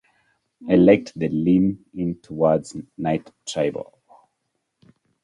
I liked the lean in towards Knight tribal.